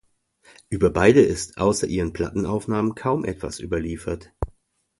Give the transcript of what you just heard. Über beide ist außer ihren Plattenaufnahmen kaum etwas überliefert.